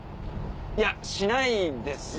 いやしないですね。